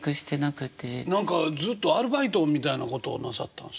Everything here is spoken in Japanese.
何かずっとアルバイトみたいなことをなさったんですか？